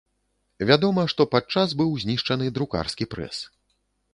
Вядома, што падчас быў знішчаны друкарскі прэс.